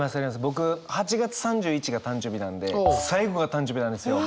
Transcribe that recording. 僕８月３１が誕生日なんで最後が誕生日なんですよ。